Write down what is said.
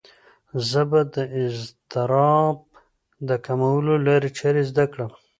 زه به د اضطراب د کمولو لارې چارې زده کړم.